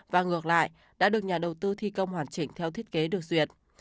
và ngược lại đã được nhà đầu tư thi công hoàn chỉnh theo thiết kế được duyệt